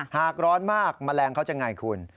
หากร้อนมากแมลงเขาจะไงคุณ